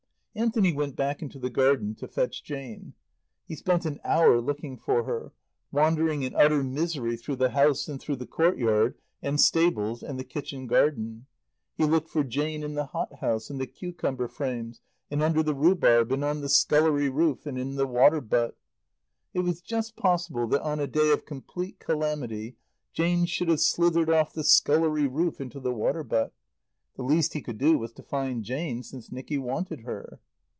Anthony went back into the garden to fetch Jane. He spent an hour looking for her, wandering in utter misery through the house and through the courtyard and stables and the kitchen garden. He looked for Jane in the hothouse and the cucumber frames, and under the rhubarb, and on the scullery roof, and in the water butt. It was just possible that on a day of complete calamity Jane should have slithered off the scullery roof into the water butt. The least he could do was to find Jane, since Nicky wanted her.